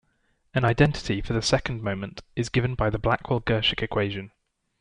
An identity for the second moment is given by the Blackwell-Girshick equation.